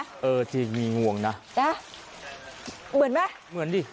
เออที่มีงวงนะเหมือนมั้ยเหมือนดิ